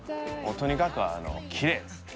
とにかくきれい。